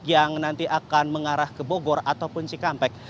yang nanti akan mengarah ke bogor ataupun cikampek